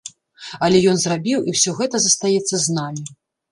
Але ён зрабіў, і ўсё гэта застаецца з намі.